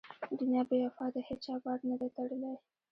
دنیا بې وفا ده هېچا بار نه دی تړلی.